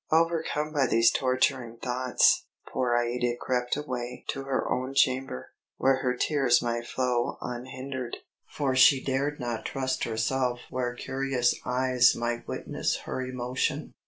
Overcome by these torturing thoughts, poor Aïda crept away to her own chamber, where her tears might flow unhindered; for she dared not trust herself where curious eyes might witness her emotion.